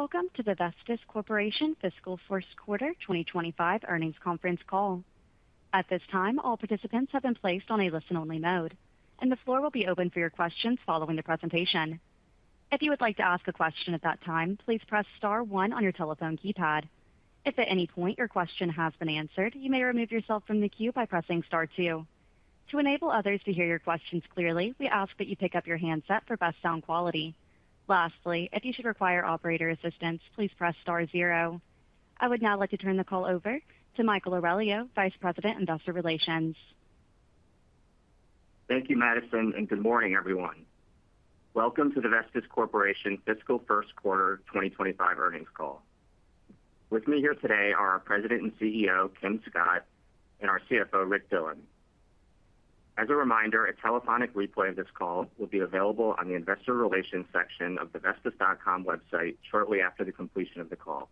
Welcome to the Vestis Corporation fiscal first quarter 2025 earnings conference call. At this time, all participants have been placed on a listen-only mode, and the floor will be open for your questions following the presentation. If you would like to ask a question at that time, please press star one on your telephone keypad. If at any point your question has been answered, you may remove yourself from the queue by pressing star two. To enable others to hear your questions clearly, we ask that you pick up your handset for best sound quality. Lastly, if you should require operator assistance, please press star zero. I would now like to turn the call over to Michael Aurelio, Vice President, Investor Relations. Thank you, Madison, and good morning, everyone. Welcome to the Vestis Corporation Fiscal First Quarter 2025 earnings call. With me here today are our President and CEO, Kim Scott, and our CFO, Rick Dillon. As a reminder, a telephonic replay of this call will be available on the Investor Relations section of the Vestis.com website shortly after the completion of the call.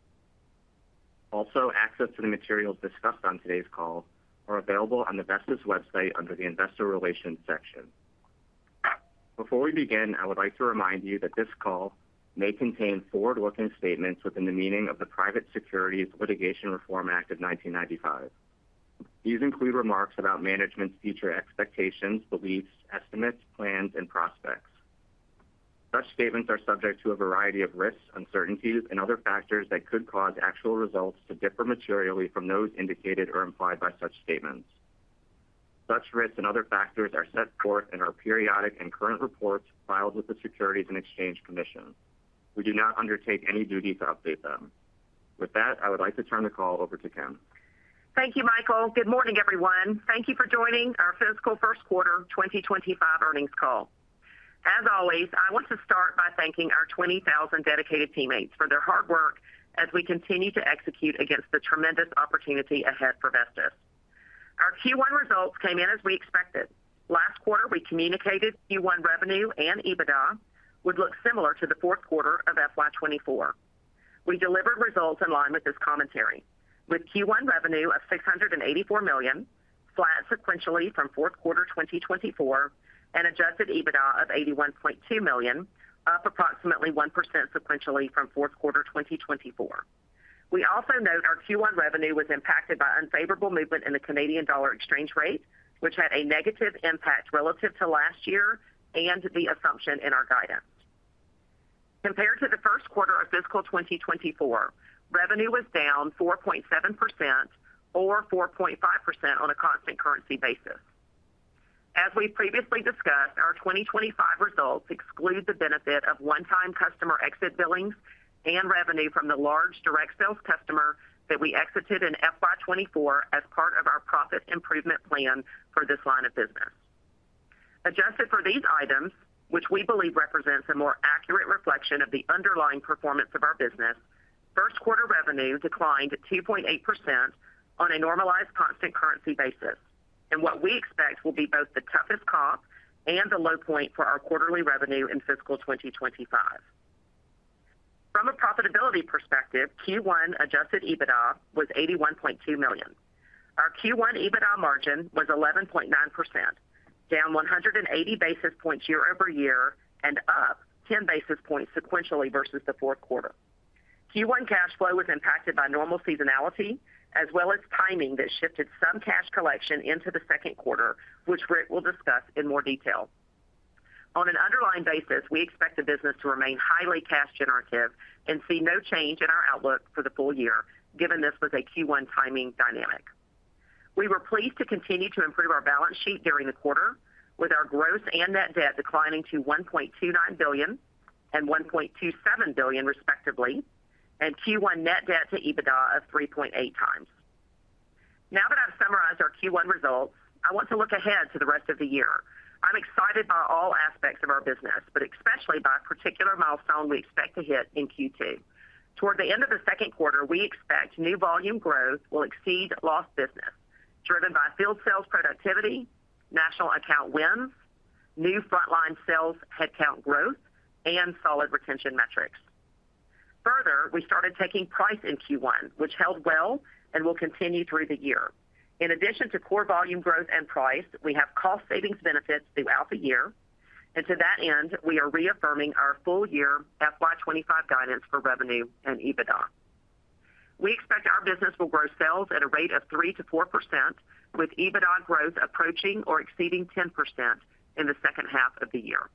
Also, access to the materials discussed on today's call are available on the Vestis website under the Investor Relations section. Before we begin, I would like to remind you that this call may contain forward-looking statements within the meaning of the Private Securities Litigation Reform Act of 1995. These include remarks about management's future expectations, beliefs, estimates, plans, and prospects. Such statements are subject to a variety of risks, uncertainties, and other factors that could cause actual results to differ materially from those indicated or implied by such statements. Such risks and other factors are set forth in our periodic and current reports filed with the Securities and Exchange Commission. We do not undertake any duty to update them. With that, I would like to turn the call over to Kim. Thank you, Michael. Good morning, everyone. Thank you for joining our Fiscal First Quarter 2025 earnings call. As always, I want to start by thanking our 20,000 dedicated teammates for their hard work as we continue to execute against the tremendous opportunity ahead for Vestis. Our Q1 results came in as we expected. Last quarter, we communicated Q1 revenue and EBITDA would look similar to the fourth quarter of FY 2024. We delivered results in line with this commentary, with Q1 revenue of $684 million, flat sequentially from fourth quarter 2024, and adjusted EBITDA of $81.2 million, up approximately 1% sequentially from fourth quarter 2024. We also note our Q1 revenue was impacted by unfavorable movement in the Canadian dollar exchange rate, which had a negative impact relative to last year and the assumption in our guidance. Compared to the first quarter of fiscal 2024, revenue was down 4.7% or 4.5% on a constant currency basis. As we've previously discussed, our 2025 results exclude the benefit of one-time customer exit billings and revenue from the large direct sales customer that we exited in FY 2024 as part of our profit improvement plan for this line of business. Adjusted for these items, which we believe represents a more accurate reflection of the underlying performance of our business, first quarter revenue declined 2.8% on a normalized constant currency basis, and what we expect will be both the toughest comp and the low point for our quarterly revenue in fiscal 2025. From a profitability perspective, Q1 adjusted EBITDA was $81.2 million. Our Q1 EBITDA margin was 11.9%, down 180 basis points year-over-year and up 10 basis points sequentially versus the fourth quarter. Q1 cash flow was impacted by normal seasonality as well as timing that shifted some cash collection into the second quarter, which Rick will discuss in more detail. On an underlying basis, we expect the business to remain highly cash generative and see no change in our outlook for the full year, given this was a Q1 timing dynamic. We were pleased to continue to improve our balance sheet during the quarter, with our gross and net debt declining to $1.29 billion and $1.27 billion, respectively, and Q1 net debt to EBITDA of 3.8x. Now that I've summarized our Q1 results, I want to look ahead to the rest of the year. I'm excited by all aspects of our business, but especially by a particular milestone we expect to hit in Q2. Toward the end of the second quarter, we expect new volume growth will exceed lost business, driven by field sales productivity, national account wins, new frontline sales headcount growth, and solid retention metrics. Further, we started taking price in Q1, which held well and will continue through the year. In addition to core volume growth and price, we have cost savings benefits throughout the year, and to that end, we are reaffirming our full year FY 2025 guidance for revenue and EBITDA. We expect our business will grow sales at a rate of 3%-4%, with EBITDA growth approaching or exceeding 10% in the second half of the year.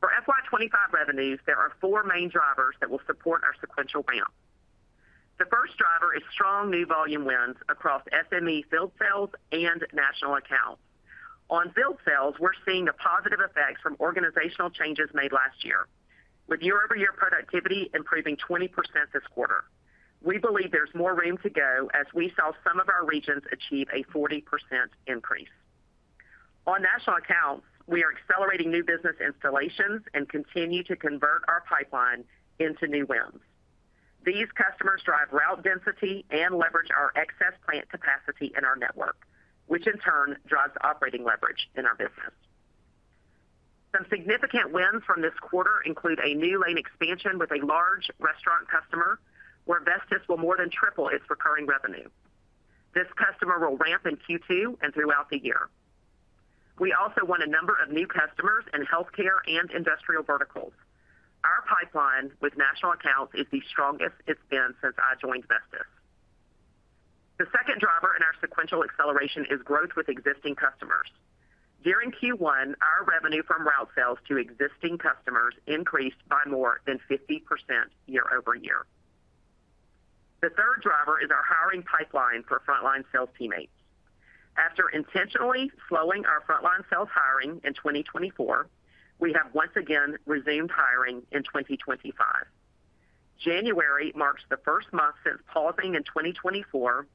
For FY 2025 revenues, there are four main drivers that will support our sequential ramp. The first driver is strong new volume wins across SME field sales and national accounts. On field sales, we're seeing the positive effects from organizational changes made last year, with year-over-year productivity improving 20% this quarter. We believe there's more room to go as we saw some of our regions achieve a 40% increase. On national accounts, we are accelerating new business installations and continue to convert our pipeline into new wins. These customers drive route density and leverage our excess plant capacity in our network, which in turn drives operating leverage in our business. Some significant wins from this quarter include a new lane expansion with a large restaurant customer, where Vestis will more than triple its recurring revenue. This customer will ramp in Q2 and throughout the year. We also won a number of new customers in healthcare and industrial verticals. Our pipeline with national accounts is the strongest it's been since I joined Vestis. The second driver in our sequential acceleration is growth with existing customers. During Q1, our revenue from route sales to existing customers increased by more than 50% year-over-year. The third driver is our hiring pipeline for frontline sales teammates. After intentionally slowing our frontline sales hiring in 2024, we have once again resumed hiring in 2025. January marks the first month since pausing in 2024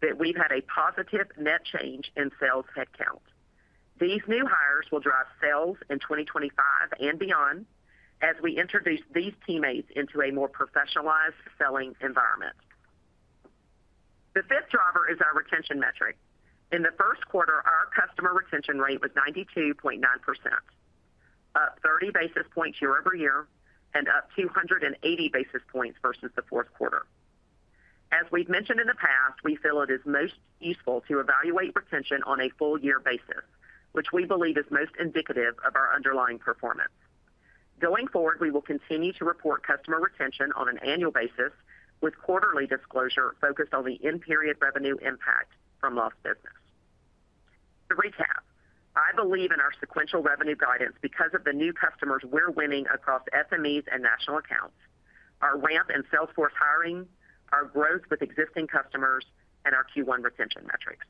that we've had a positive net change in sales headcount. These new hires will drive sales in 2025 and beyond as we introduce these teammates into a more professionalized selling environment. The fifth driver is our retention metric. In the first quarter, our customer retention rate was 92.9%, up 30 basis points year-over-year and up 280 basis points versus the fourth quarter. As we've mentioned in the past, we feel it is most useful to evaluate retention on a full year basis, which we believe is most indicative of our underlying performance. Going forward, we will continue to report customer retention on an annual basis with quarterly disclosure focused on the end period revenue impact from lost business. To recap, I believe in our sequential revenue guidance because of the new customers we're winning across SMEs and national accounts, our ramp in sales force hiring, our growth with existing customers, and our Q1 retention metrics.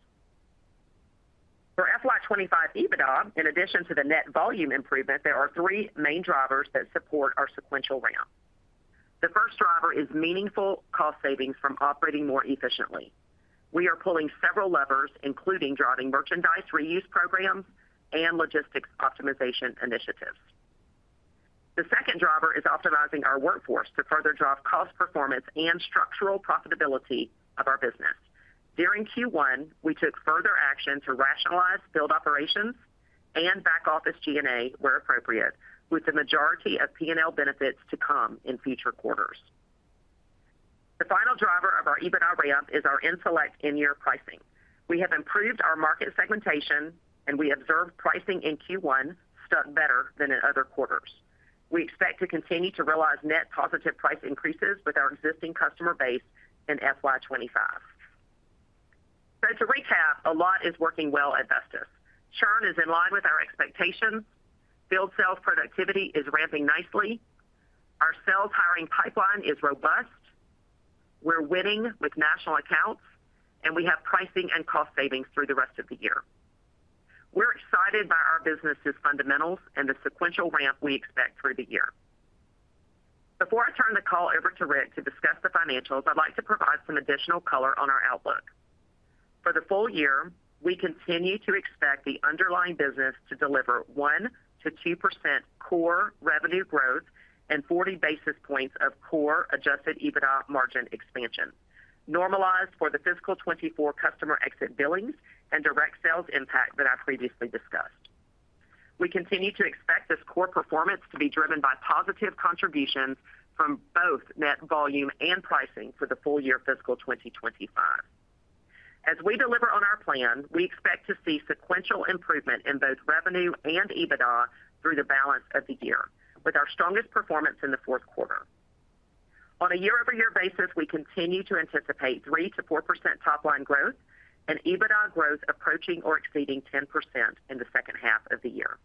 For FY 2025 EBITDA, in addition to the net volume improvement, there are three main drivers that support our sequential ramp. The first driver is meaningful cost savings from operating more efficiently. We are pulling several levers, including driving merchandise reuse programs and logistics optimization initiatives. The second driver is optimizing our workforce to further drive cost performance and structural profitability of our business. During Q1, we took further action to rationalize field operations and back office G&A where appropriate, with the majority of P&L benefits to come in future quarters. The final driver of our EBITDA ramp is our in-year pricing. We have improved our market segmentation, and we observed pricing in Q1 stuck better than in other quarters. We expect to continue to realize net positive price increases with our existing customer base in FY 2025. So to recap, a lot is working well at Vestis. Churn is in line with our expectations. Field sales productivity is ramping nicely. Our sales hiring pipeline is robust. We're winning with national accounts, and we have pricing and cost savings through the rest of the year. We're excited by our business's fundamentals and the sequential ramp we expect through the year. Before I turn the call over to Rick to discuss the financials, I'd like to provide some additional color on our outlook. For the full year, we continue to expect the underlying business to deliver 1%-2% core revenue growth and 40 basis points of core Adjusted EBITDA margin expansion, normalized for the fiscal 2024 customer exit billings and direct sales impact that I previously discussed. We continue to expect this core performance to be driven by positive contributions from both net volume and pricing for the full year fiscal 2025. As we deliver on our plan, we expect to see sequential improvement in both revenue and EBITDA through the balance of the year, with our strongest performance in the fourth quarter. On a year-over-year basis, we continue to anticipate 3%-4% top-line growth and EBITDA growth approaching or exceeding 10% in the second half of the year.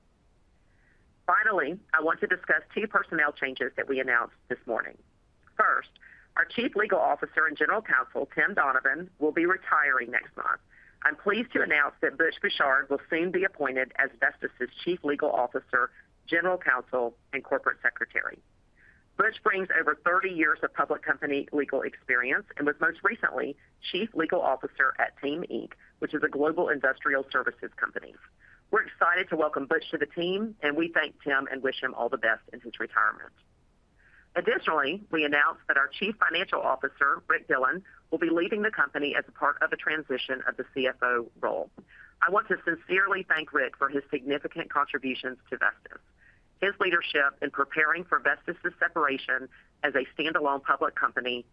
Finally, I want to discuss two personnel changes that we announced this morning. First, our Chief Legal Officer and General Counsel, Tim Donovan, will be retiring next month. I'm pleased to announce that Butch Bouchard will soon be appointed as Vestis' Chief Legal Officer, General Counsel, and Corporate Secretary. Butch brings over 30 years of public company legal experience and was most recently Chief Legal Officer at Team Inc., which is a global industrial services company. We're excited to welcome Butch to the team, and we thank Tim and wish him all the best in his retirement. Additionally, we announced that our Chief Financial Officer, Rick Dillon, will be leaving the company as part of the transition of the CFO role. I want to sincerely thank Rick for his significant contributions to Vestis. His leadership in preparing for Vestis' separation as a standalone public company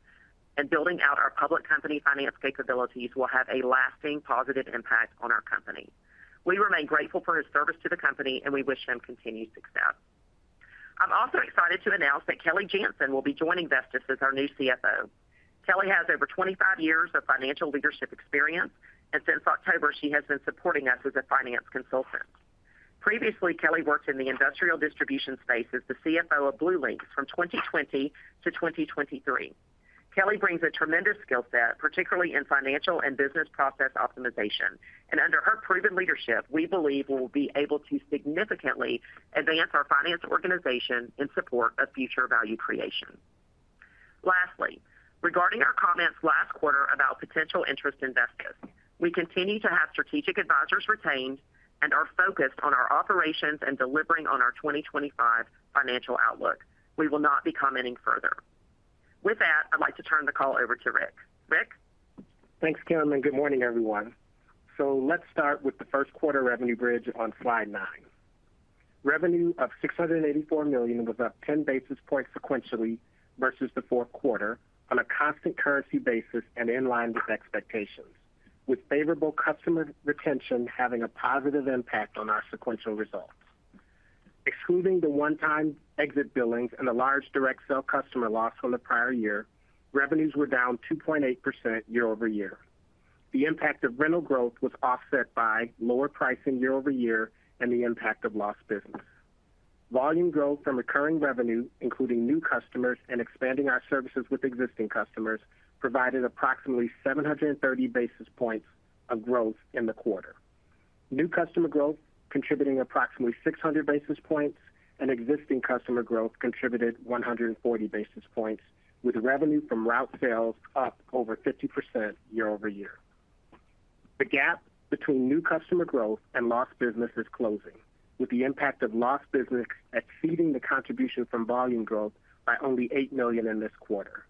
and building out our public company finance capabilities will have a lasting positive impact on our company. We remain grateful for his service to the company, and we wish him continued success. I'm also excited to announce that Kelly Janzen will be joining Vestis as our new CFO. Kelly has over 25 years of financial leadership experience, and since October, she has been supporting us as a finance consultant. Previously, Kelly worked in the industrial distribution space as the CFO of BlueLinx from 2020 to 2023. Kelly brings a tremendous skill set, particularly in financial and business process optimization, and under her proven leadership, we believe we will be able to significantly advance our finance organization in support of future value creation. Lastly, regarding our comments last quarter about potential interest in Vestis, we continue to have strategic advisors retained and are focused on our operations and delivering on our 2025 financial outlook. We will not be commenting further. With that, I'd like to turn the call over to Rick. Rick. Thanks, Kim, and good morning, everyone. So let's start with the first quarter revenue bridge on slide nine. Revenue of $684 million was up 10 basis points sequentially versus the fourth quarter on a constant currency basis and in line with expectations, with favorable customer retention having a positive impact on our sequential results. Excluding the one-time exit billings and the large direct sale customer loss from the prior year, revenues were down 2.8% year-over-year. The impact of rental growth was offset by lower pricing year-over-year and the impact of lost business. Volume growth from recurring revenue, including new customers and expanding our services with existing customers, provided approximately 730 basis points of growth in the quarter. New customer growth contributing approximately 600 basis points and existing customer growth contributed 140 basis points, with revenue from route sales up over 50% year-over-year. The gap between new customer growth and lost business is closing, with the impact of lost business exceeding the contribution from volume growth by only $8 million in this quarter.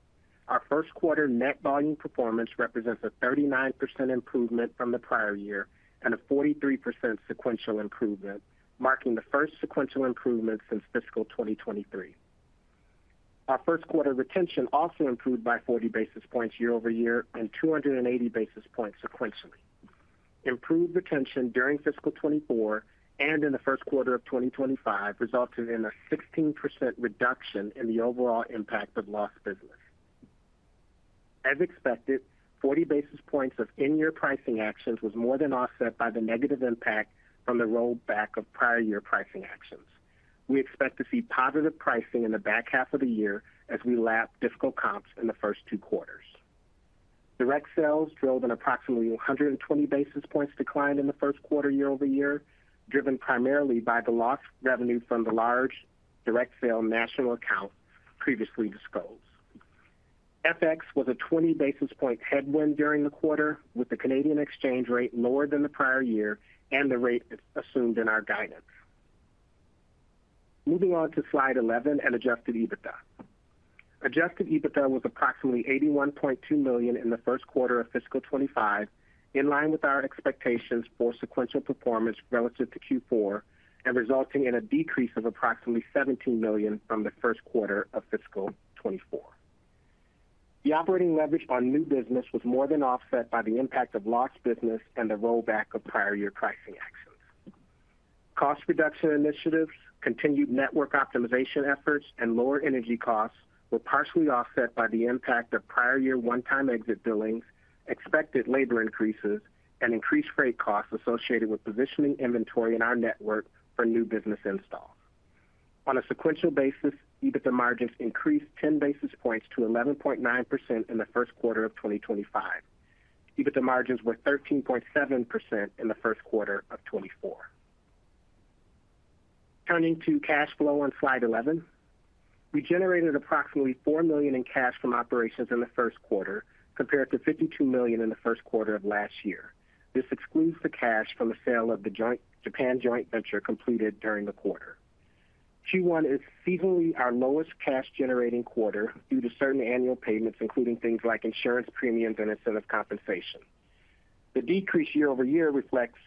Our first quarter net volume performance represents a 39% improvement from the prior year and a 43% sequential improvement, marking the first sequential improvement since fiscal 2023. Our first quarter retention also improved by 40 basis points year-over-year and 280 basis points sequentially. Improved retention during fiscal 2024 and in the first quarter of 2025 resulted in a 16% reduction in the overall impact of lost business. As expected, 40 basis points of in-year pricing actions was more than offset by the negative impact from the rollback of prior year pricing actions. We expect to see positive pricing in the back half of the year as we lap fiscal comps in the first two quarters. Direct sales drove an approximately 120 basis points decline in the first quarter year-over-year, driven primarily by the lost revenue from the large direct sale national account previously disclosed. FX was a 20 basis point headwind during the quarter, with the Canadian exchange rate lower than the prior year and the rate assumed in our guidance. Moving on to slide 11 and adjusted EBITDA. Adjusted EBITDA was approximately $81.2 million in the first quarter of fiscal 2025, in line with our expectations for sequential performance relative to Q4 and resulting in a decrease of approximately $17 million from the first quarter of fiscal 2024. The operating leverage on new business was more than offset by the impact of lost business and the rollback of prior year pricing actions. Cost reduction initiatives, continued network optimization efforts, and lower energy costs were partially offset by the impact of prior year one-time exit billings, expected labor increases, and increased freight costs associated with positioning inventory in our network for new business installs. On a sequential basis, EBITDA margins increased 10 basis points to 11.9% in the first quarter of 2025. EBITDA margins were 13.7% in the first quarter of 2024. Turning to cash flow on slide 11, we generated approximately four million in cash from operations in the first quarter compared to 52 million in the first quarter of last year. This excludes the cash from the sale of the Japan joint venture completed during the quarter. Q1 is seasonally our lowest cash-generating quarter due to certain annual payments, including things like insurance premiums and incentive compensation. The decrease year-over-year reflects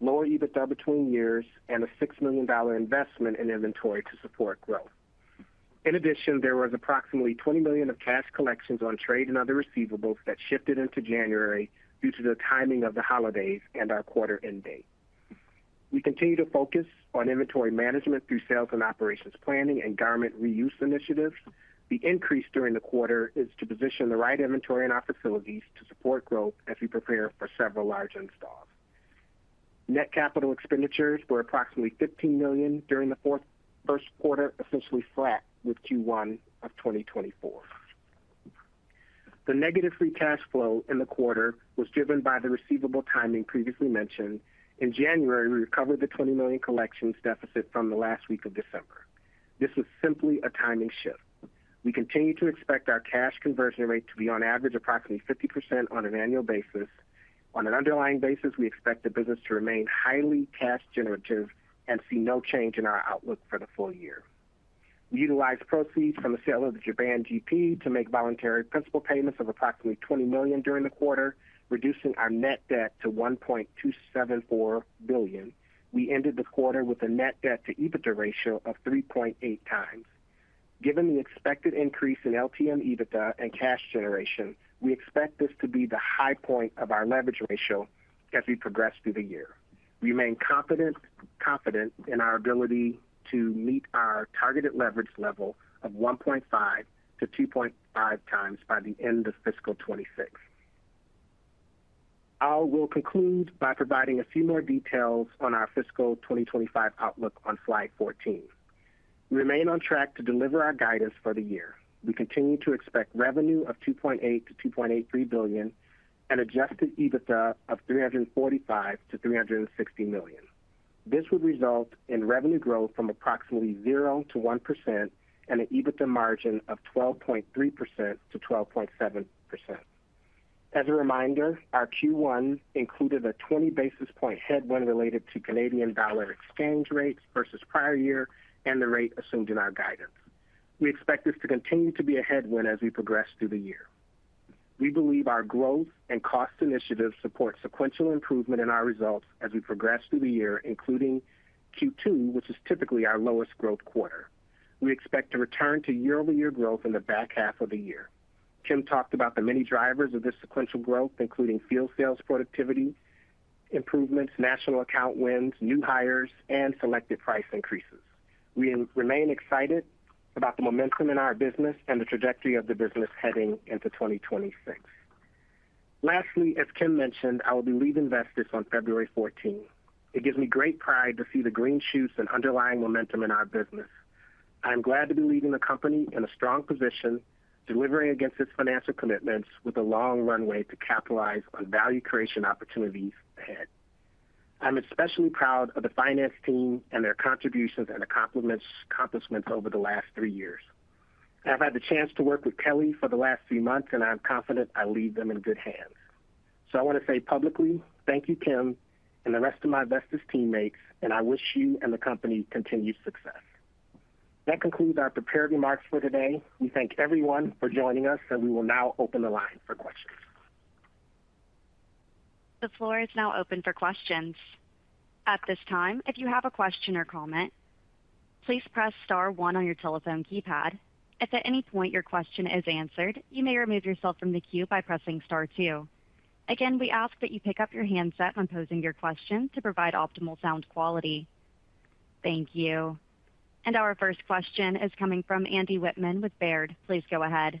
lower EBITDA between years and a $6 million investment in inventory to support growth. In addition, there was approximately $20 million of cash collections on trade and other receivables that shifted into January due to the timing of the holidays and our quarter end date. We continue to focus on inventory management through sales and operations planning and garment reuse initiatives. The increase during the quarter is to position the right inventory in our facilities to support growth as we prepare for several large installs. Net capital expenditures were approximately $15 million during the first quarter, essentially flat with Q1 of 2024. The negative free cash flow in the quarter was driven by the receivable timing previously mentioned. In January, we recovered the $20 million collections deficit from the last week of December. This was simply a timing shift. We continue to expect our cash conversion rate to be on average approximately 50% on an annual basis. On an underlying basis, we expect the business to remain highly cash-generative and see no change in our outlook for the full year. We utilized proceeds from the sale of the Japan GP to make voluntary principal payments of approximately $20 million during the quarter, reducing our net debt to $1.274 billion. We ended the quarter with a net debt to EBITDA ratio of 3.8x. Given the expected increase in LTM EBITDA and cash generation, we expect this to be the high point of our leverage ratio as we progress through the year. We remain confident in our ability to meet our targeted leverage level of 1.5x-2.5x by the end of fiscal 2026. I will conclude by providing a few more details on our fiscal 2025 outlook on slide 14. We remain on track to deliver our guidance for the year. We continue to expect revenue of $2.8-$2.83 billion and adjusted EBITDA of $345 million-$360 million. This would result in revenue growth from approximately 0%-1% and an EBITDA margin of 12.3%-12.7%. As a reminder, our Q1 included a 20 basis point headwind related to Canadian dollar exchange rates versus prior year and the rate assumed in our guidance. We expect this to continue to be a headwind as we progress through the year. We believe our growth and cost initiatives support sequential improvement in our results as we progress through the year, including Q2, which is typically our lowest growth quarter. We expect to return to year-over-year growth in the back half of the year. Kim talked about the many drivers of this sequential growth, including field sales productivity improvements, national account wins, new hires, and selected price increases. We remain excited about the momentum in our business and the trajectory of the business heading into 2026. Lastly, as Kim mentioned, I will be leaving Vestis on February 14. It gives me great pride to see the green shoots and underlying momentum in our business. I am glad to be leaving the company in a strong position, delivering against its financial commitments with a long runway to capitalize on value creation opportunities ahead. I'm especially proud of the finance team and their contributions and accomplishments over the last three years. I've had the chance to work with Kelly for the last three months, and I'm confident I leave them in good hands. So I want to say publicly, thank you, Kim, and the rest of my Vestis teammates, and I wish you and the company continued success. That concludes our prepared remarks for today. We thank everyone for joining us, and we will now open the line for questions. The floor is now open for questions. At this time, if you have a question or comment, please press star one on your telephone keypad. If at any point your question is answered, you may remove yourself from the queue by pressing star two. Again, we ask that you pick up your handset when posing your question to provide optimal sound quality. Thank you, and our first question is coming from Andy Whitman with Baird. Please go ahead.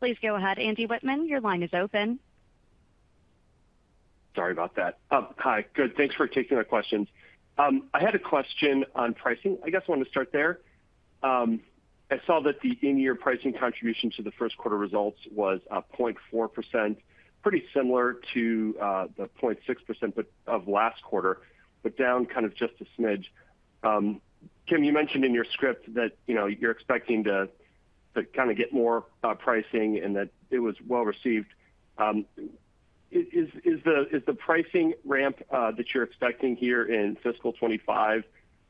Please go ahead, Andy Wittmann. Your line is open. Sorry about that. Hi, good. Thanks for taking the questions. I had a question on pricing. I guess I want to start there. I saw that the in-year pricing contribution to the first quarter results was 0.4%, pretty similar to the 0.6% of last quarter, but down kind of just a smidge. Kim, you mentioned in your script that you're expecting to kind of get more pricing and that it was well received. Is the pricing ramp that you're expecting here in fiscal 2025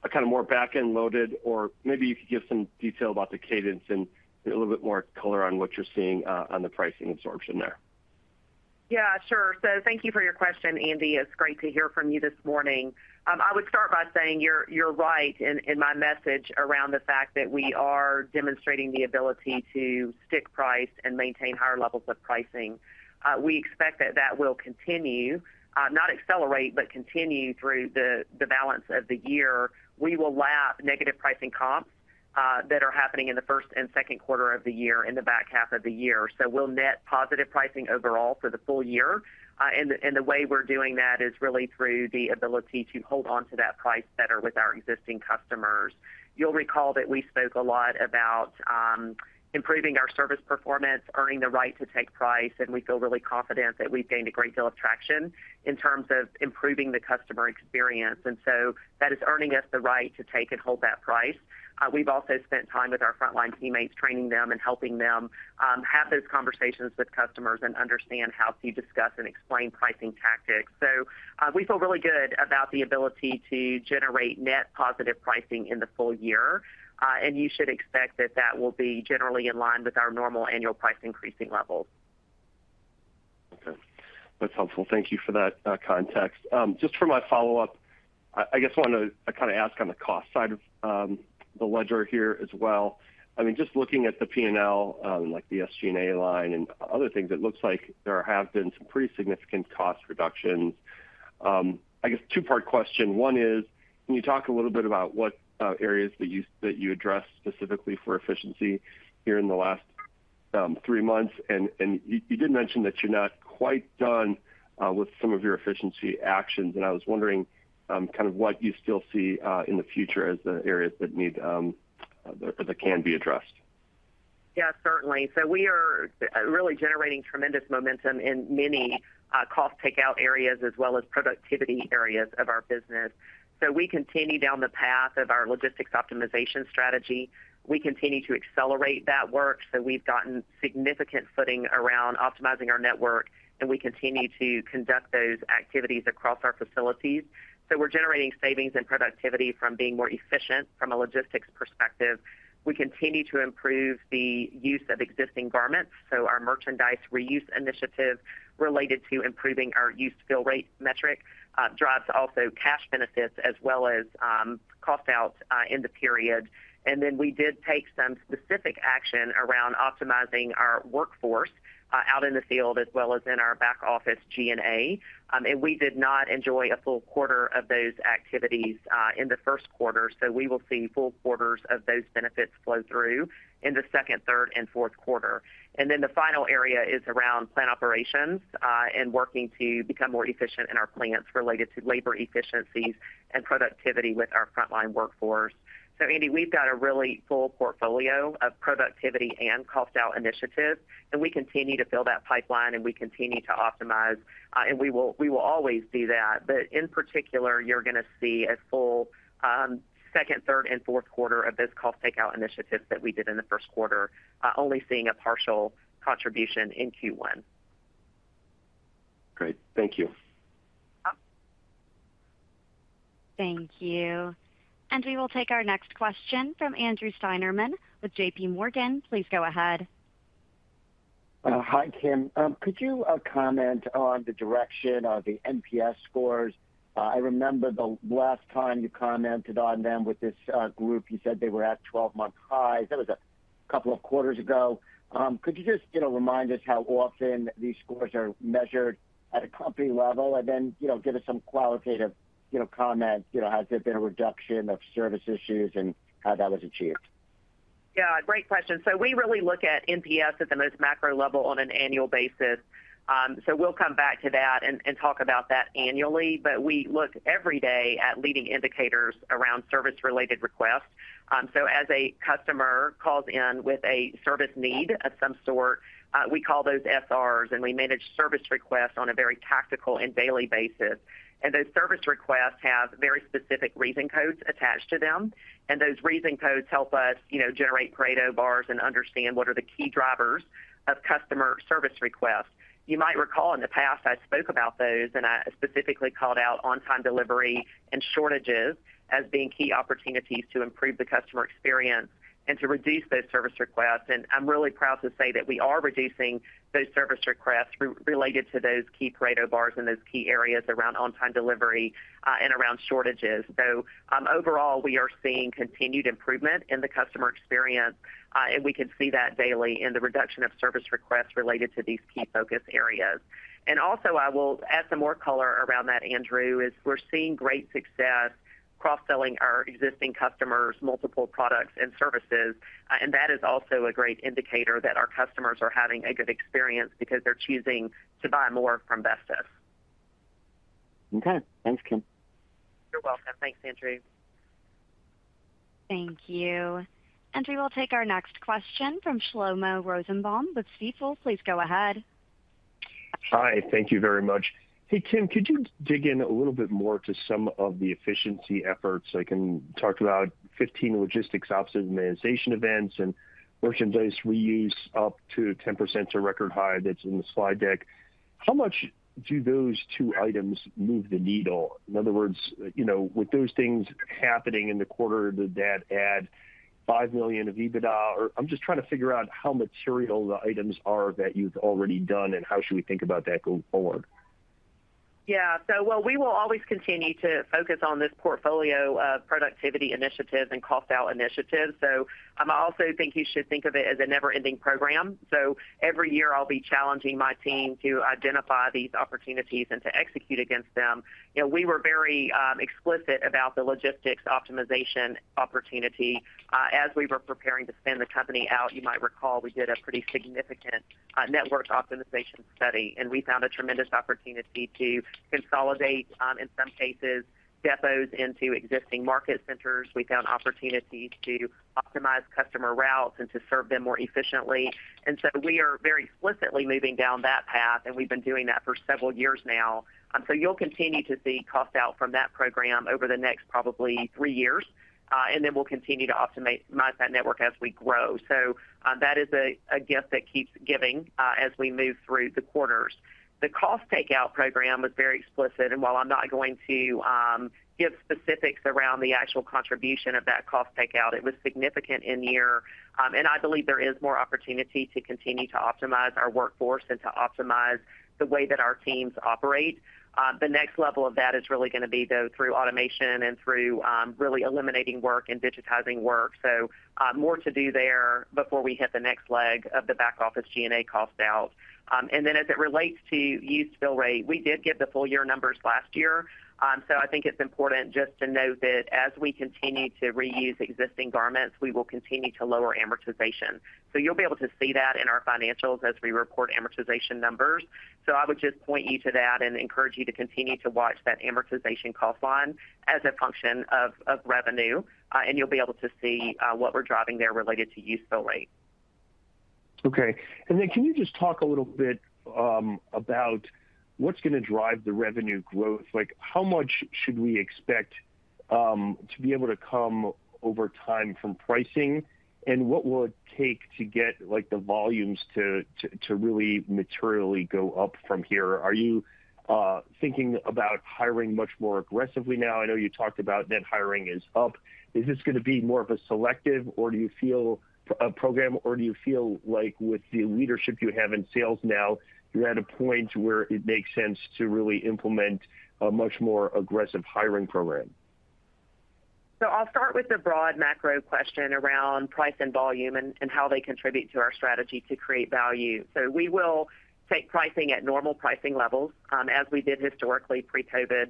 a kind of more back-end loaded, or maybe you could give some detail about the cadence and a little bit more color on what you're seeing on the pricing absorption there? Yeah, sure. So thank you for your question, Andy. It's great to hear from you this morning. I would start by saying you're right in my message around the fact that we are demonstrating the ability to stick price and maintain higher levels of pricing. We expect that that will continue, not accelerate, but continue through the balance of the year. We will lap negative pricing comps that are happening in the first and second quarter of the year in the back half of the year. So we'll net positive pricing overall for the full year. And the way we're doing that is really through the ability to hold on to that price better with our existing customers. You'll recall that we spoke a lot about improving our service performance, earning the right to take price, and we feel really confident that we've gained a great deal of traction in terms of improving the customer experience. And so that is earning us the right to take and hold that price. We've also spent time with our frontline teammates, training them and helping them have those conversations with customers and understand how to discuss and explain pricing tactics. So we feel really good about the ability to generate net positive pricing in the full year. And you should expect that that will be generally in line with our normal annual price increasing levels. Okay. That's helpful. Thank you for that context. Just for my follow-up, I guess I want to kind of ask on the cost side of the ledger here as well. I mean, just looking at the P&L, like the SG&A line and other things, it looks like there have been some pretty significant cost reductions. I guess two-part question. One is, can you talk a little bit about what areas that you addressed specifically for efficiency here in the last three months? And you did mention that you're not quite done with some of your efficiency actions. And I was wondering kind of what you still see in the future as the areas that need or that can be addressed? Yeah, certainly. So we are really generating tremendous momentum in many cost takeout areas as well as productivity areas of our business. So we continue down the path of our logistics optimization strategy. We continue to accelerate that work. So we've gotten significant footing around optimizing our network, and we continue to conduct those activities across our facilities. So we're generating savings and productivity from being more efficient from a logistics perspective. We continue to improve the use of existing garments. So our merchandise reuse initiative related to improving our used fill rate metric drives also cash benefits as well as cost out in the period. And then we did take some specific action around optimizing our workforce out in the field as well as in our back office G&A. And we did not enjoy a full quarter of those activities in the first quarter. So we will see full quarters of those benefits flow through in the second, third, and fourth quarter. And then the final area is around plant operations and working to become more efficient in our plants related to labor efficiencies and productivity with our frontline workforce. So, Andy, we've got a really full portfolio of productivity and cost out initiatives. And we continue to fill that pipeline, and we continue to optimize, and we will always do that. But in particular, you're going to see a full second, third, and fourth quarter of this cost takeout initiative that we did in the first quarter, only seeing a partial contribution in Q1. Great. Thank you. Thank you. We will take our next question from Andrew Steinerman with JPMorgan. Please go ahead. Hi, Kim. Could you comment on the direction of the NPS scores? I remember the last time you commented on them with this group, you said they were at 12-month highs. That was a couple of quarters ago. Could you just remind us how often these scores are measured at a company level and then give us some qualitative comment? Has there been a reduction of service issues and how that was achieved? Yeah, great question. So we really look at NPS at the most macro level on an annual basis. So we'll come back to that and talk about that annually. But we look every day at leading indicators around service-related requests. So as a customer calls in with a service need of some sort, we call those SRs, and we manage service requests on a very tactical and daily basis. And those service requests have very specific reason codes attached to them. And those reason codes help us generate Pareto bars and understand what are the key drivers of customer service requests. You might recall in the past I spoke about those, and I specifically called out on-time delivery and shortages as being key opportunities to improve the customer experience and to reduce those service requests. And I'm really proud to say that we are reducing those service requests related to those key Pareto bars and those key areas around on-time delivery and around shortages. So overall, we are seeing continued improvement in the customer experience, and we can see that daily in the reduction of service requests related to these key focus areas. And also, I will add some more color around that, Andrew, is we're seeing great success cross-selling our existing customers multiple products and services. And that is also a great indicator that our customers are having a good experience because they're choosing to buy more from Vestis. Okay. Thanks, Kim. You're welcome. Thanks, Andrew. Thank you. And we will take our next question from Shlomo Rosenbaum with Stifel. Please go ahead. Hi, thank you very much. Hey, Kim, could you dig in a little bit more to some of the efficiency efforts? I can talk about 15 logistics optimization events and merchandise reuse up to 10% to record high that's in the slide deck. How much do those two items move the needle? In other words, with those things happening in the quarter that add $5 million of EBITDA, or I'm just trying to figure out how material the items are that you've already done, and how should we think about that going forward? Yeah. So, well, we will always continue to focus on this portfolio of productivity initiatives and cost out initiatives. So I also think you should think of it as a never-ending program. So every year, I'll be challenging my team to identify these opportunities and to execute against them. We were very explicit about the logistics optimization opportunity. As we were preparing to spin the company out, you might recall we did a pretty significant network optimization study, and we found a tremendous opportunity to consolidate, in some cases, depots into existing market centers. We found opportunities to optimize customer routes and to serve them more efficiently. And so we are very explicitly moving down that path, and we've been doing that for several years now. So you'll continue to see cost out from that program over the next probably three years, and then we'll continue to optimize that network as we grow. So that is a gift that keeps giving as we move through the quarters. The cost takeout program was very explicit, and while I'm not going to give specifics around the actual contribution of that cost takeout, it was significant in the year. And I believe there is more opportunity to continue to optimize our workforce and to optimize the way that our teams operate. The next level of that is really going to be through automation and through really eliminating work and digitizing work. So more to do there before we hit the next leg of the back office G&A cost out. And then as it relates to used fill rate, we did get the full year numbers last year. So I think it's important just to note that as we continue to reuse existing garments, we will continue to lower amortization. So you'll be able to see that in our financials as we report amortization numbers. So I would just point you to that and encourage you to continue to watch that amortization cost line as a function of revenue. And you'll be able to see what we're driving there related to Used Fill Rate. Okay. And then can you just talk a little bit about what's going to drive the revenue growth? How much should we expect to be able to come over time from pricing, and what will it take to get the volumes to really materially go up from here? Are you thinking about hiring much more aggressively now? I know you talked about net hiring is up. Is this going to be more of a selective, or do you feel a program, or do you feel like with the leadership you have in sales now, you're at a point where it makes sense to really implement a much more aggressive hiring program? So I'll start with the broad macro question around price and volume and how they contribute to our strategy to create value. So we will take pricing at normal pricing levels as we did historically pre-COVID.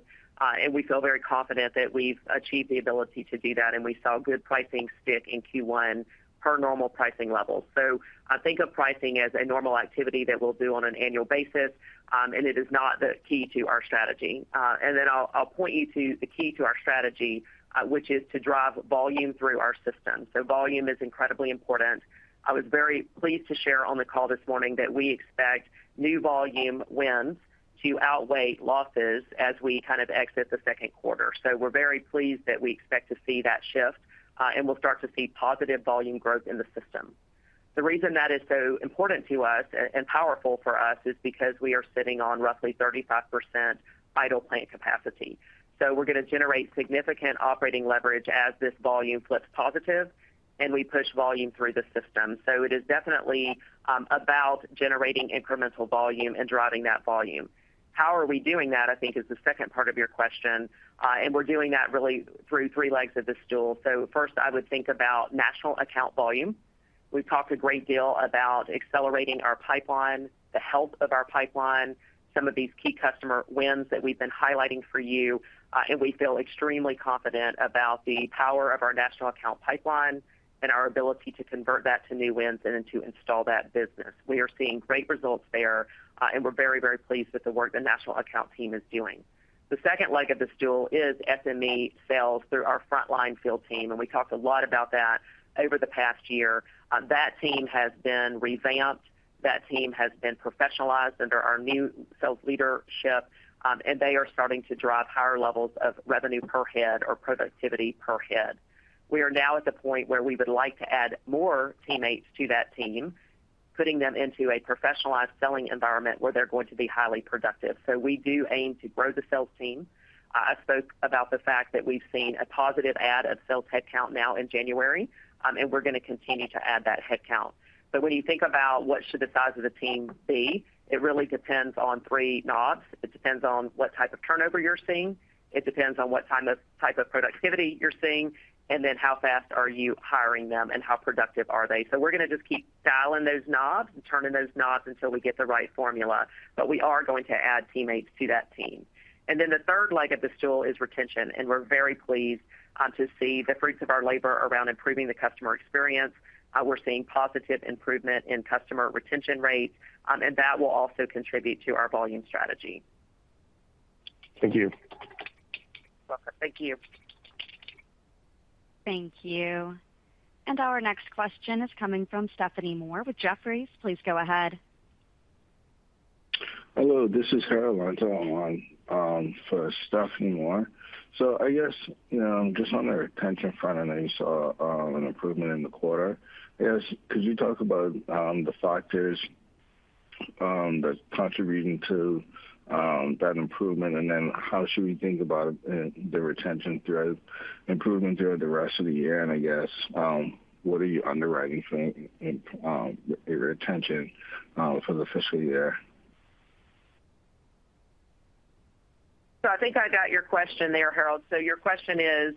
And we feel very confident that we've achieved the ability to do that, and we saw good pricing stick in Q1 per normal pricing levels. So I think of pricing as a normal activity that we'll do on an annual basis, and it is not the key to our strategy. And then I'll point you to the key to our strategy, which is to drive volume through our system. So volume is incredibly important. I was very pleased to share on the call this morning that we expect new volume wins to outweigh losses as we kind of exit the second quarter. So we're very pleased that we expect to see that shift, and we'll start to see positive volume growth in the system. The reason that is so important to us and powerful for us is because we are sitting on roughly 35% idle plant capacity. So we're going to generate significant operating leverage as this volume flips positive, and we push volume through the system. So it is definitely about generating incremental volume and driving that volume. How are we doing that, I think, is the second part of your question. And we're doing that really through three legs of the stool. So first, I would think about national account volume. We've talked a great deal about accelerating our pipeline, the health of our pipeline, some of these key customer wins that we've been highlighting for you. And we feel extremely confident about the power of our national account pipeline and our ability to convert that to new wins and to install that business. We are seeing great results there, and we're very, very pleased with the work the national account team is doing. The second leg of the stool is SME sales through our frontline field team, and we talked a lot about that over the past year. That team has been revamped. That team has been professionalized under our new sales leadership, and they are starting to drive higher levels of revenue per head or productivity per head. We are now at the point where we would like to add more teammates to that team, putting them into a professionalized selling environment where they're going to be highly productive. So we do aim to grow the sales team. I spoke about the fact that we've seen a positive add of sales headcount now in January, and we're going to continue to add that headcount. But when you think about what should the size of the team be, it really depends on three knobs. It depends on what type of turnover you're seeing. It depends on what type of productivity you're seeing, and then how fast are you hiring them and how productive are they. So we're going to just keep dialing those knobs and turning those knobs until we get the right formula. But we are going to add teammates to that team. And then the third leg of the stool is retention, and we're very pleased to see the fruits of our labor around improving the customer experience. We're seeing positive improvement in customer retention rates, and that will also contribute to our volume strategy. Thank you. Thank you. Thank you. Our next question is coming from Stephanie Moore with Jefferies. Please go ahead. Hello. This is Harold Antor for Stephanie Moore. So I guess just on the retention front, I know you saw an improvement in the quarter. Could you talk about the factors that contribute to that improvement, and then how should we think about the retention improvement throughout the rest of the year? And I guess, what are you underwriting for your retention for the fiscal year? So I think I got your question there, Harold. So your question is,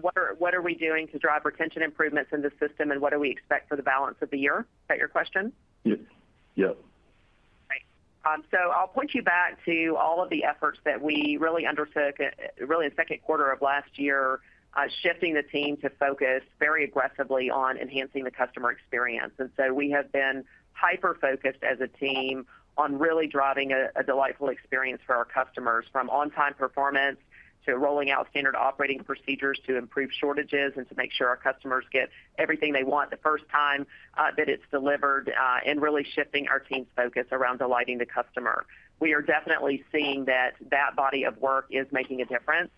what are we doing to drive retention improvements in the system, and what do we expect for the balance of the year? Is that your question? Yep. Right. So I'll point you back to all of the efforts that we really undertook in the second quarter of last year, shifting the team to focus very aggressively on enhancing the customer experience, and so we have been hyper-focused as a team on really driving a delightful experience for our customers from on-time performance to rolling out standard operating procedures to improve shortages and to make sure our customers get everything they want the first time that it's delivered and really shifting our team's focus around delighting the customer. We are definitely seeing that body of work is making a difference,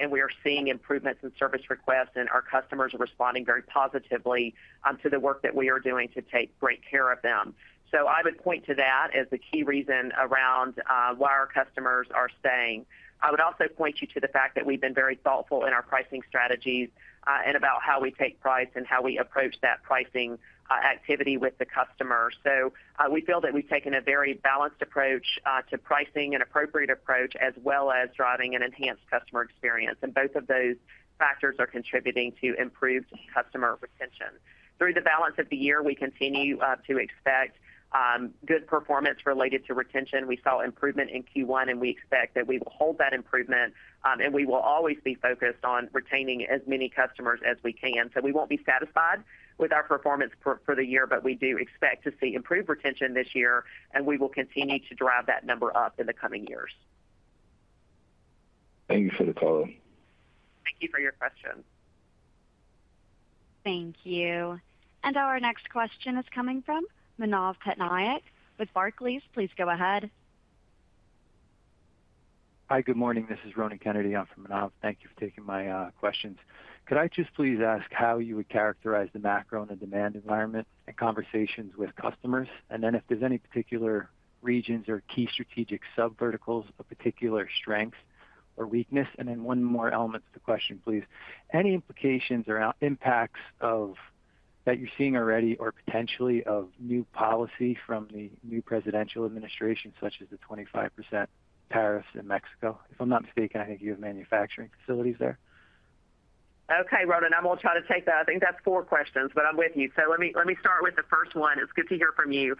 and we are seeing improvements in service requests, and our customers are responding very positively to the work that we are doing to take great care of them, so I would point to that as the key reason around why our customers are staying. I would also point you to the fact that we've been very thoughtful in our pricing strategies and about how we take price and how we approach that pricing activity with the customer. So we feel that we've taken a very balanced approach to pricing and appropriate approach as well as driving an enhanced customer experience. And both of those factors are contributing to improved customer retention. Through the balance of the year, we continue to expect good performance related to retention. We saw improvement in Q1, and we expect that we will hold that improvement, and we will always be focused on retaining as many customers as we can. So we won't be satisfied with our performance for the year, but we do expect to see improved retention this year, and we will continue to drive that number up in the coming years. Thank you for the call. Thank you for your question. Thank you. And our next question is coming from Manav Patnaik with Barclays. Please go ahead. Hi, good morning. This is Ronan Kennedy for Manav. Thank you for taking my questions. Could I just please ask how you would characterize the macro and the demand environment and conversations with customers, and then if there's any particular regions or key strategic sub-verticals, a particular strength or weakness, and then one more element to the question, please, any implications or impacts that you're seeing already or potentially of new policy from the new presidential administration, such as the 25% tariffs in Mexico? If I'm not mistaken, I think you have manufacturing facilities there. Okay, Ronan, I'm going to try to take that. I think that's four questions, but I'm with you. So let me start with the first one. It's good to hear from you.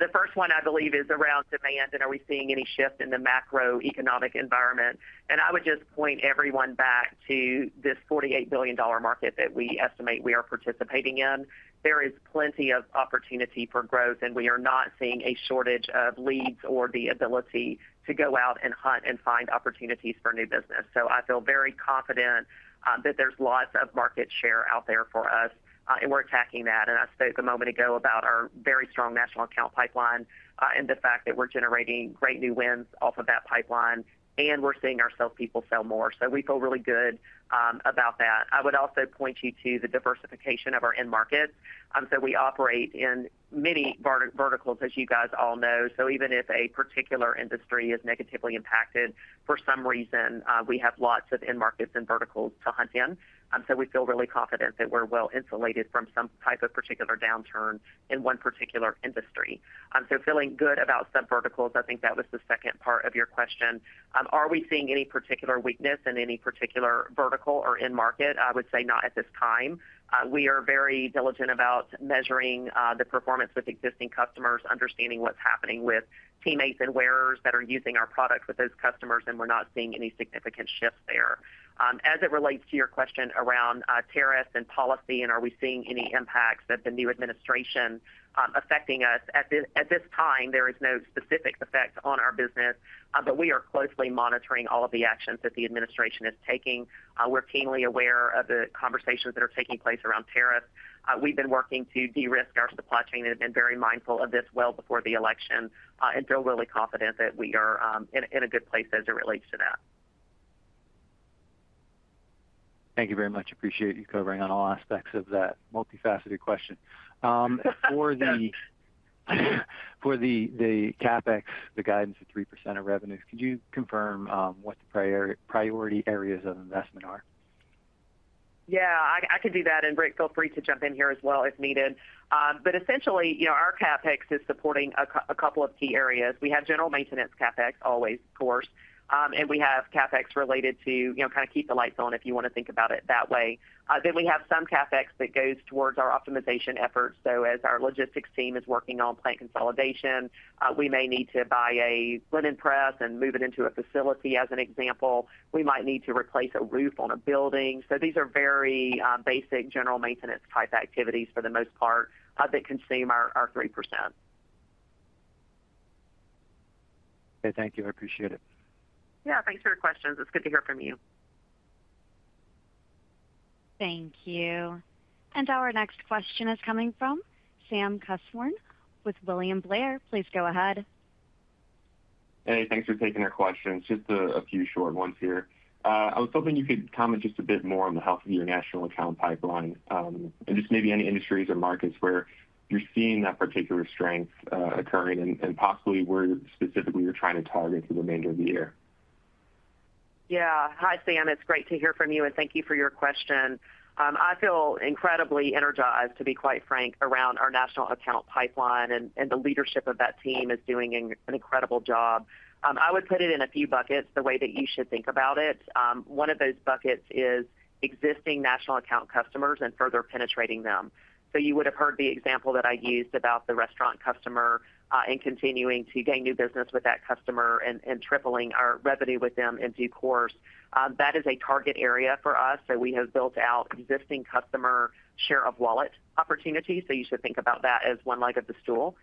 The first one, I believe, is around demand and are we seeing any shift in the macroeconomic environment, and I would just point everyone back to this $48 billion market that we estimate we are participating in. There is plenty of opportunity for growth, and we are not seeing a shortage of leads or the ability to go out and hunt and find opportunities for new business, so I feel very confident that there's lots of market share out there for us, and we're attacking that. And I spoke a moment ago about our very strong national account pipeline and the fact that we're generating great new wins off of that pipeline, and we're seeing our salespeople sell more. So we feel really good about that. I would also point you to the diversification of our end markets. So we operate in many verticals, as you guys all know. So even if a particular industry is negatively impacted for some reason, we have lots of end markets and verticals to hunt in. So we feel really confident that we're well insulated from some type of particular downturn in one particular industry. So feeling good about sub-verticals, I think that was the second part of your question. Are we seeing any particular weakness in any particular vertical or end market? I would say not at this time. We are very diligent about measuring the performance with existing customers, understanding what's happening with teammates and wearers that are using our product with those customers, and we're not seeing any significant shifts there. As it relates to your question around tariffs and policy, and are we seeing any impacts of the new administration affecting us? At this time, there is no specific effect on our business, but we are closely monitoring all of the actions that the administration is taking. We're keenly aware of the conversations that are taking place around tariffs. We've been working to de-risk our supply chain and have been very mindful of this well before the election and feel really confident that we are in a good place as it relates to that. Thank you very much. Appreciate you covering on all aspects of that multifaceted question. For the CapEx, the guidance of 3% of revenues, could you confirm what the priority areas of investment are? Yeah, I can do that, and Rick, feel free to jump in here as well if needed. But essentially, our CapEx is supporting a couple of key areas. We have general maintenance CapEx, always, of course, and we have CapEx related to kind of keep the lights on if you want to think about it that way. Then we have some CapEx that goes towards our optimization efforts. So as our logistics team is working on plant consolidation, we may need to buy a linen press and move it into a facility, as an example. We might need to replace a roof on a building. So these are very basic general maintenance type activities for the most part that consume our 3%. Okay, thank you. I appreciate it. Yeah, thanks for your questions. It's good to hear from you. Thank you. And our next question is coming from Sam Kusswurm with William Blair. Please go ahead. Hey, thanks for taking our questions. Just a few short ones here. I was hoping you could comment just a bit more on the health of your national account pipeline and just maybe any industries or markets where you're seeing that particular strength occurring and possibly where specifically you're trying to target the remainder of the year? Yeah. Hi, Sam. It's great to hear from you, and thank you for your question. I feel incredibly energized, to be quite frank, around our national account pipeline, and the leadership of that team is doing an incredible job. I would put it in a few buckets the way that you should think about it. One of those buckets is existing national account customers and further penetrating them. So you would have heard the example that I used about the restaurant customer and continuing to gain new business with that customer and tripling our revenue with them in due course. That is a target area for us. So we have built out existing customer share of wallet opportunities. So you should think about that as one leg of the stool.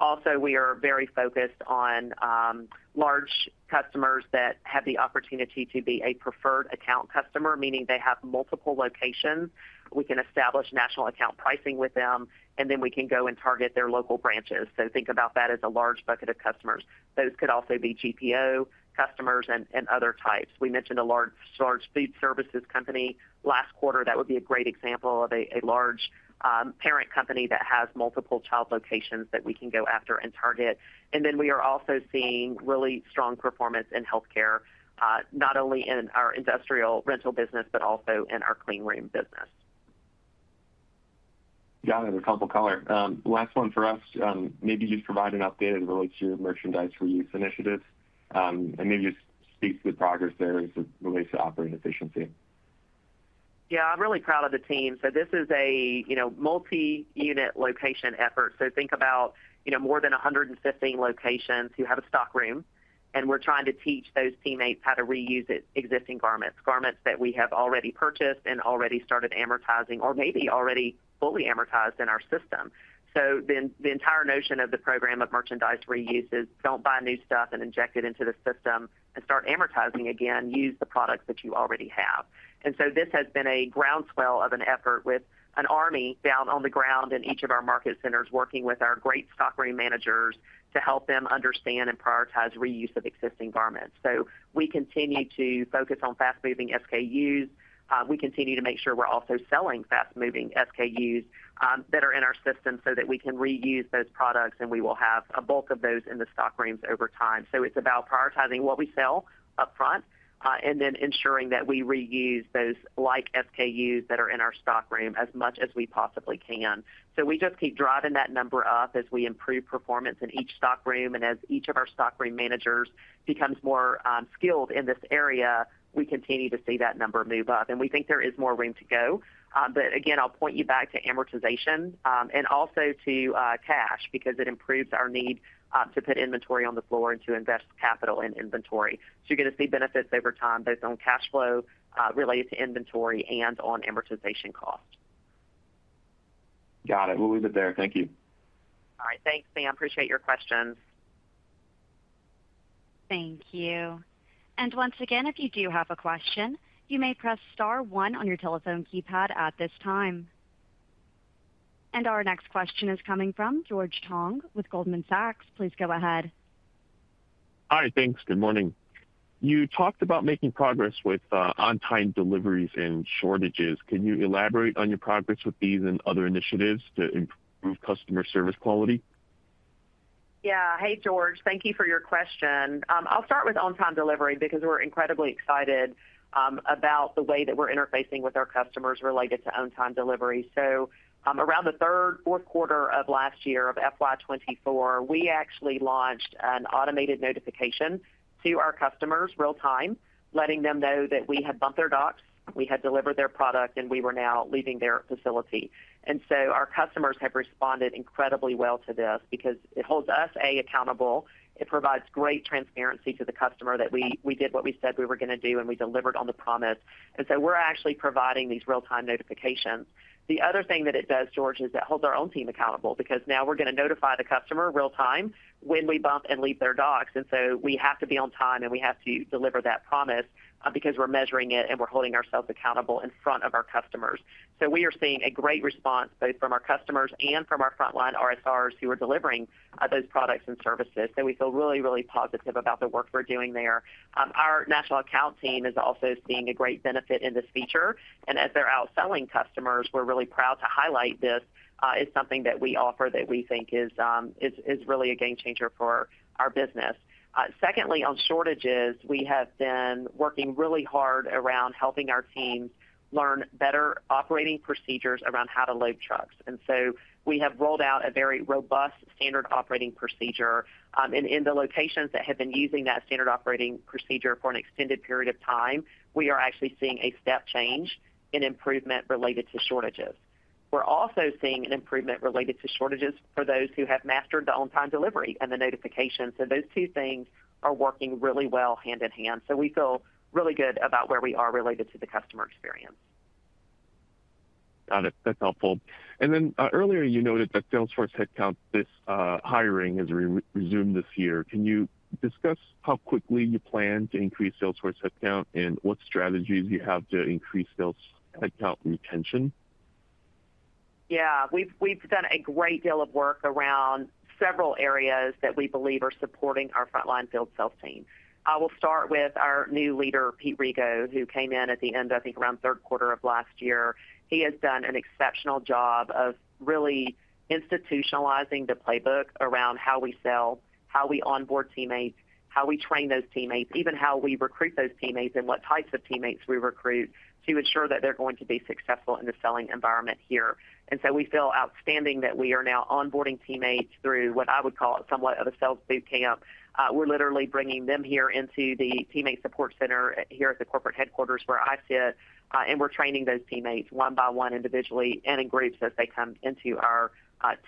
Also, we are very focused on large customers that have the opportunity to be a preferred account customer, meaning they have multiple locations. We can establish national account pricing with them, and then we can go and target their local branches. So think about that as a large bucket of customers. Those could also be GPO customers and other types. We mentioned a large food services company last quarter. That would be a great example of a large parent company that has multiple child locations that we can go after and target, and then we are also seeing really strong performance in healthcare, not only in our industrial rental business, but also in our clean room business. Got it. A couple of color. Last one for us. Maybe just provide an update as it relates to your merchandise reuse initiatives and maybe just speak to the progress there as it relates to operating efficiency. Yeah, I'm really proud of the team, so this is a multi-unit location effort, so think about more than 115 locations who have a stock room, and we're trying to teach those teammates how to reuse existing garments, garments that we have already purchased and already started amortizing or maybe already fully amortized in our system, so the entire notion of the program of merchandise reuse is don't buy new stuff and inject it into the system and start amortizing again. Use the products that you already have, and so this has been a groundswell of an effort with an army down on the ground in each of our market centers working with our great stock room managers to help them understand and prioritize reuse of existing garments, so we continue to focus on fast-moving SKUs. We continue to make sure we're also selling fast-moving SKUs that are in our system so that we can reuse those products, and we will have a bulk of those in the stock rooms over time, so it's about prioritizing what we sell upfront and then ensuring that we reuse those like SKUs that are in our stock room as much as we possibly can, so we just keep driving that number up as we improve performance in each stock room, and as each of our stock room managers becomes more skilled in this area, we continue to see that number move up, and we think there is more room to go, but again, I'll point you back to amortization and also to cash because it improves our need to put inventory on the floor and to invest capital in inventory. So you're going to see benefits over time, both on cash flow related to inventory and on amortization cost. Got it. We'll leave it there. Thank you. All right. Thanks, Sam. Appreciate your questions. Thank you. And once again, if you do have a question, you may press star one on your telephone keypad at this time. And our next question is coming from George Tong with Goldman Sachs. Please go ahead. Hi, thanks. Good morning. You talked about making progress with on-time deliveries and shortages. Could you elaborate on your progress with these and other initiatives to improve customer service quality? Yeah. Hey, George. Thank you for your question. I'll start with on-time delivery because we're incredibly excited about the way that we're interfacing with our customers related to on-time delivery. So around the third, fourth quarter of last year of FY 2024, we actually launched an automated notification to our customers real-time, letting them know that we had bumped their docks, we had delivered their product, and we were now leaving their facility. And so our customers have responded incredibly well to this because it holds us accountable. It provides great transparency to the customer that we did what we said we were going to do, and we delivered on the promise. And so we're actually providing these real-time notifications. The other thing that it does, George, is it holds our own team accountable because now we're going to notify the customer real time when we bump and leave their docks, and so we have to be on time, and we have to deliver that promise because we're measuring it, and we're holding ourselves accountable in front of our customers, so we are seeing a great response both from our customers and from our frontline RSRs who are delivering those products and services, so we feel really, really positive about the work we're doing there. Our national account team is also seeing a great benefit in this feature, and as they're out selling customers, we're really proud to highlight this as something that we offer that we think is really a game changer for our business. Secondly, on shortages, we have been working really hard around helping our teams learn better operating procedures around how to load trucks. And so we have rolled out a very robust standard operating procedure. And in the locations that have been using that standard operating procedure for an extended period of time, we are actually seeing a step change in improvement related to shortages. We're also seeing an improvement related to shortages for those who have mastered the on-time delivery and the notification. So those two things are working really well hand in hand. So we feel really good about where we are related to the customer experience. Got it. That's helpful. And then earlier, you noted that Salesforce headcount hiring has resumed this year. Can you discuss how quickly you plan to increase Salesforce headcount and what strategies you have to increase Salesforce headcount retention? Yeah. We've done a great deal of work around several areas that we believe are supporting our frontline field sales team. I will start with our new leader, Pete Rigo, who came in at the end, I think, around third quarter of last year. He has done an exceptional job of really institutionalizing the playbook around how we sell, how we onboard teammates, how we train those teammates, even how we recruit those teammates and what types of teammates we recruit to ensure that they're going to be successful in the selling environment here. And so we feel outstanding that we are now onboarding teammates through what I would call somewhat of a sales boot camp. We're literally bringing them here into the teammate support center here at the corporate headquarters where I sit, and we're training those teammates one by one, individually and in groups as they come into our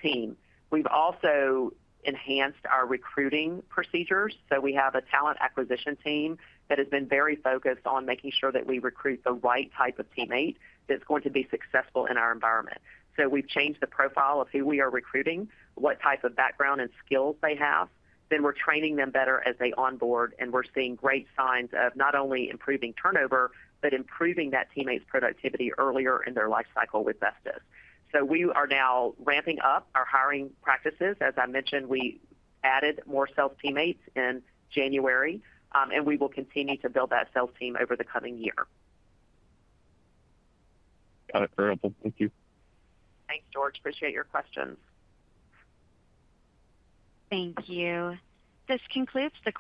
team. We've also enhanced our recruiting procedures. So we have a talent acquisition team that has been very focused on making sure that we recruit the right type of teammate that's going to be successful in our environment. So we've changed the profile of who we are recruiting, what type of background and skills they have. Then we're training them better as they onboard, and we're seeing great signs of not only improving turnover, but improving that teammate's productivity earlier in their life cycle with Vestis. So we are now ramping up our hiring practices. As I mentioned, we added more sales teammates in January, and we will continue to build that sales team over the coming year. Got it. Very helpful. Thank you. Thanks, George. Appreciate your questions. Thank you. This concludes the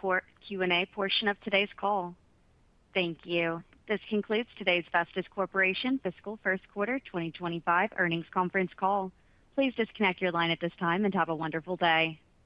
Q&A portion of today's call. Thank you. This concludes today's Vestis Corporation Fiscal First Quarter 2025 earnings conference call. Please disconnect your line at this time and have a wonderful day.